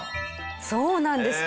そうなんです。